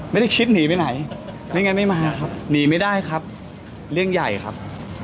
ไม่ได้คิดหนีไปไหนไม่งั้นไม่มาครับหนีไม่ได้ครับเรื่องใหญ่ครับ